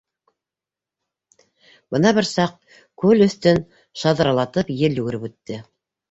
Бына бер саҡ күл өҫтөн шаҙралатып ел йүгереп үтте.